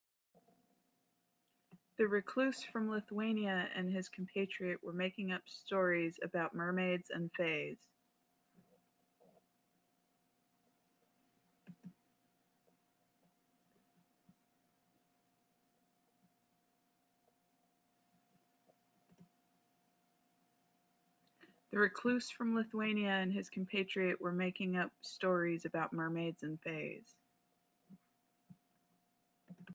The recluse from Lithuania and his compatriot were making up stories about mermaids and fays.